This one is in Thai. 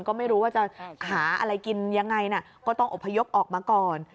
ก็ไม่รู้ว่าจะหาอะไรกินยังไงนะก็ต้องอบพยพออกมาก่อน